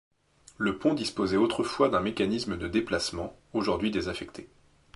Le pont disposait autrefois d'un mécanisme de déplacement, aujourd'hui désaffecté.